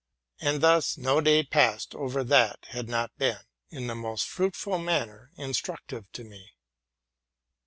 And thus no day passed that had not been, in the most fruitful manner, instructive to me.